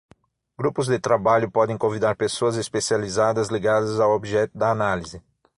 Grupos de trabalho podem convidar pessoas especializadas ligadas ao objeto da análise.